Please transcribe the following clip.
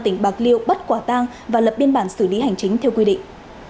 tỉnh bạc liêu bắt quả tang và lập biên bản xử lý hành chính theo quy định